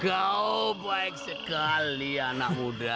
kau baik sekali anak muda